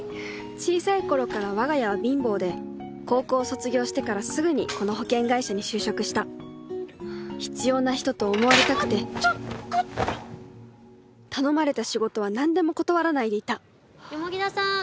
小さい頃からわが家は貧乏で高校を卒業してからすぐにこの保険会社に就職した必要な人と思われたくて頼まれた仕事は何でも断らないでいた田さん